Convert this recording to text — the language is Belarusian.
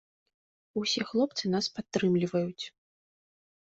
Усе хлопцы нас падтрымліваюць.